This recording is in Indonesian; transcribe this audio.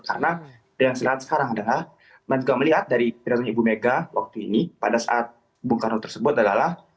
karena yang saya lihat sekarang adalah saya juga melihat dari perhatian ibu mega waktu ini pada saat bung karno tersebut adalah